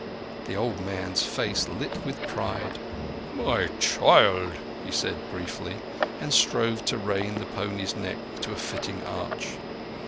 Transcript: The old man's face lit with pride. "My child!" said he briefly, and strove to rein the pony's neck to a fitting arch.